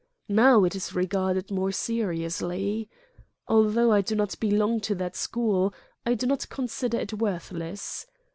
Now it is regarded more seriously. Although I do not belong to that school, I do not consider it worthless.